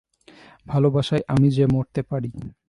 ভালোবাসায় আমি যে মরতে পারি।